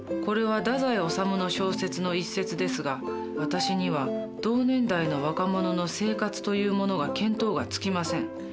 これは太宰治の小説の一節ですが私には同年代の若者の生活というものが見当がつきません。